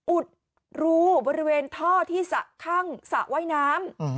อุดรูบริเวณท่อที่สระข้างสระว่ายน้ำ